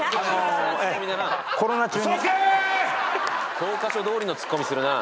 教科書どおりのツッコミするなぁ。